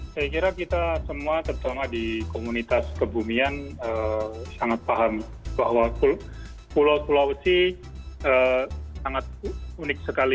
saya kira kita semua terutama di komunitas kebumian sangat paham bahwa pulau sulawesi sangat unik sekali